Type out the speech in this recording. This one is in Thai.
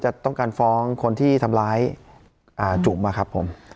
จะต้องการฟ้องคนที่ทำร้ายจุ๋มครับผม